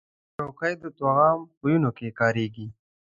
چوکۍ د طعام خونو کې کارېږي.